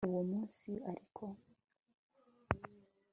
uwo munsi ariko